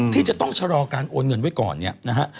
ที่จะต้องชะลอการโอนเงินไว้ก่อนเนี่ยนะฮะ